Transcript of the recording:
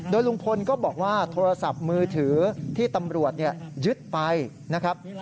ลุงพลก็บอกว่าโทรศัพท์มือถือที่ตำรวจยึดไปนะครับ